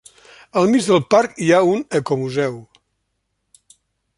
Al mig del parc hi ha un ecomuseu.